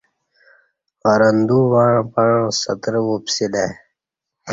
ارندو وݩع پݩع سترہ وپسیلہ ای